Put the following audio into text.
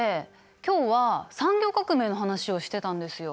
今日は産業革命の話をしてたんですよ。